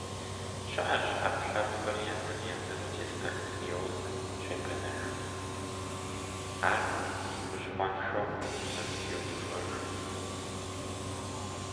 Щыӏэщ ӏэпкълъэпкъыр езыр-езыру дисбактериозым щебэныжыф, ар хущхъуэншэу щызэтриухуэжыф.